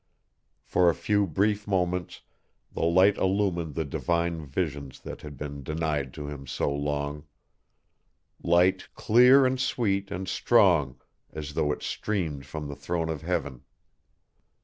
For a few brief moments the light illumined the divine visions that had been denied to him so long light clear and sweet and strong as though it streamed from the throne of Heaven.